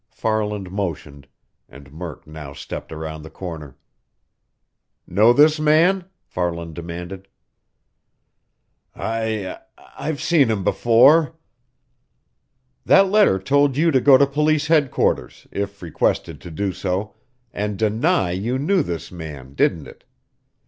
Farland motioned, and Murk now stepped around the corner. "Know this man?" Farland demanded. "I I've seen him before." "That letter told you to go to police headquarters, if requested to do so, and deny you knew this man, didn't it?